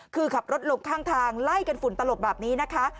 คือขับรถลงข้างทางไล่กันฝุ่นตลบแบบนี้นะคะ